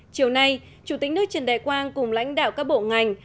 chiều nay chủ tịch nước trần đại quang cùng lãnh đạo các bộ ngành